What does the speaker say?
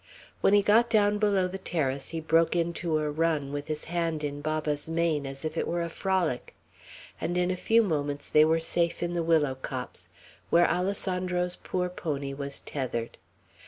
When he got down below the terrace, he broke into a run, with his hand in Baba's mane, as if it were a frolic; and in a few moments they were safe in the willow copse, where Alessandro's poor pony was tethered.